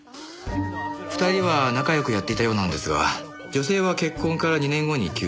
２人は仲良くやっていたようなんですが女性は結婚から２年後に急死。